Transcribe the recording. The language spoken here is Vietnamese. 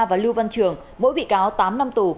và lưu văn trường mỗi bị cáo tám năm tù